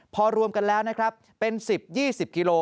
พอรวมกันแล้วนะครับเป็น๑๐๒๐กิโล